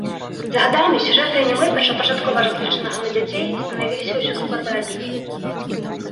З гадамі сюжэты анімэ, першапачаткова разлічанага на дзяцей, станавіліся ўсё складаней.